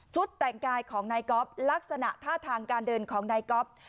แต่งกายของนายก๊อฟลักษณะท่าทางการเดินของนายก๊อฟ